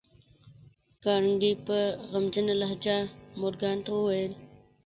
کارنګي په غمجنه لهجه مورګان ته وویل